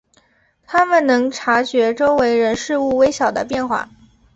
他们能察觉周围人事物微小的变化。